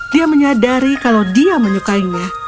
dia menyadari kalau dia menyukainya